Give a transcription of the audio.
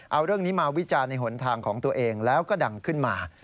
เอาเรื่องนี้มาวิจารณ์ในหนทางของตัวเองแล้วก็ดังขึ้นมา